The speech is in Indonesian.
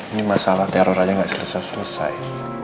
ini masalah teror aja nggak selesai selesai